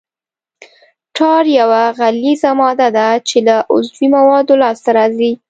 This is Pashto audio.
ټار یوه غلیظه ماده ده چې له عضوي موادو لاسته راځي